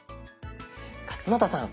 勝俣さん